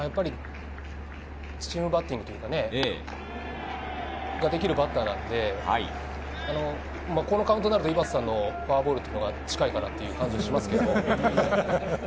チームバッティングというかね、それができるバッターなので、このカウントになると井端さんのフォアボールと近いかなという感じがしますけど。